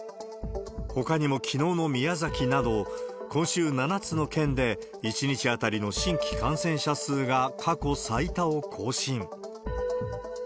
ほかにも、きのうの宮崎など、今週、７つの県で１日当たりの新規感染者数が過去最多を更新。